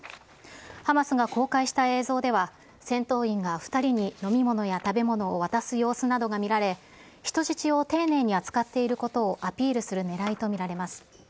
ハマスが公開した映像では、戦闘員が２人に飲み物や食べ物を渡す様子などが見られ、人質を丁寧に扱っていることをアピールするねらいと見られます。